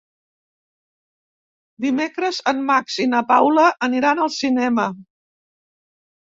Dimecres en Max i na Paula aniran al cinema.